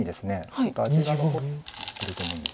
ちょっと味が残ってると思うんです。